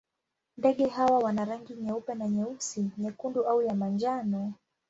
Ndege hawa wana rangi nyeupe na nyeusi, nyekundu au ya manjano.